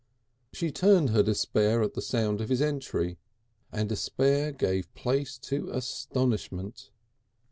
She turned her despair at the sound of his entry, and despair gave place to astonishment.